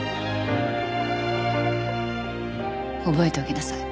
覚えておきなさい。